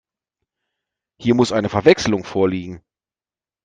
Hier muss eine Verwechslung vorliegen.